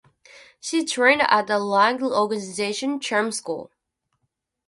She trained at the Rank Organisation's "charm school".